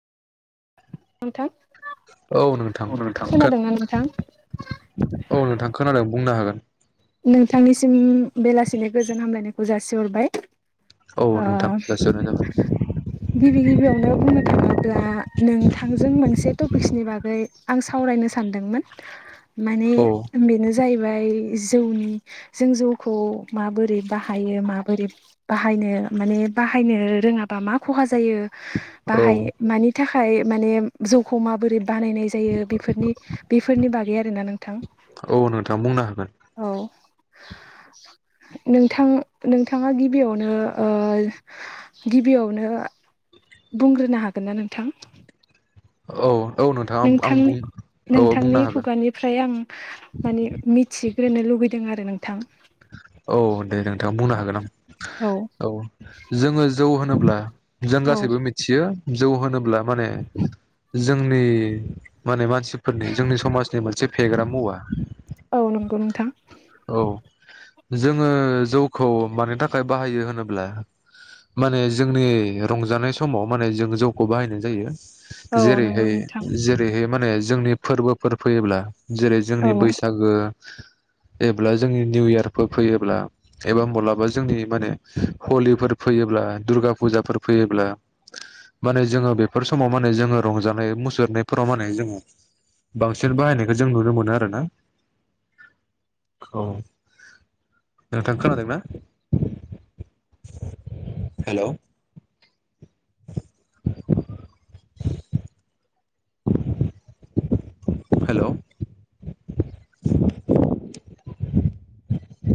नोंथां औ नोंथां खो- खोनादोंना नोंथां औ नोंथां खोनादों बुंनो हागोन नोंथांनिसिम बेलासिनि गोजोन हामलायनायखौ जासिहरबाय औ ओ नोंथां जासिहरनाय जाबाय गिबि गिबियावनो बुंनो थाङोब्ला नोंथांजों मोनसे टपिक्सनि बागै आं सावरायनो सानदोंमोन माने औ बेनो जाहैबाय जौनि जों जौखौ माबोरै बाहायो माबोरै बाहायनो माने बाहायनो रोङाबा मा खहा जायो औ बाहायो मानि थाखाय माने जौखौ माबोरै बानायनाय जायो बेफोरनि-बेफोरनि बागै आरोना नोंथां औ नोंथां बुंनो हागोन औ नोंथां-नोंथाङा गिबियावनो ओ गिबियावनो बुंग्रोनो हागोन ना नोंथां औ औ नोंथाङा आं बुं औ बुंनो नोंथांनि-नोंथांनि हागोन खुगानिफ्राय आं माने मिथि ग्रोननो लुुबैदों आरो नोंथां औ दे नोंथाङा बुंनो हागोन आं औ जोङो जौ होनोब्ला जों औ गासैबो मिथियो जौ होनोब्ला माने जोंनि माने मानसि फोरनि जोंनि समाजनि मोनसे फेग्रा मुवा औ नंगौ नोंथां औ जोङो जौखौ मानि थाखाय बाहायो होनोब्ला माने जोंनि रंजानाय समाव माने जों जौखौ बाहायनाय जायो औ नंगौ नोंथां जेरैहाय-जेरैह माने जोंनि फोरबोफोर फैयोब्ला जेरै जोंनि औ बैसागो एब्ला जोंनि निउइयार फोर फैयोब्ला एबा मालाबा जोंनि मान हलिफोर फैयोब्ला दुर खा फुजाफोर फैयोब्ला माने जोङो बेफोर समाव माने जोङो रंजानाय मुसुरनायफोराव माने जोङो बांसिन बाहायनायखौ जों नुनो मोनो आरो ना [unintelligible] औ नोंथां खोनादों ना हेल' हेल'